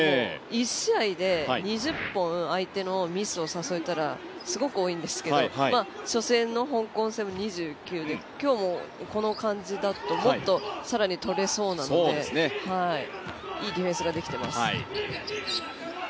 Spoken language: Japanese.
１試合で２０本相手のミスを誘えたらすごく多いんですけど初戦の香港戦も２９で、今日もこの感じだともっと更に取れそうなのでいいディフェンスができてます。